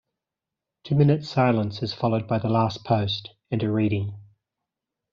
Two minutes silence is followed by The Last Post and a reading.